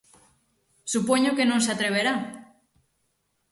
Supoño que non se atreverá.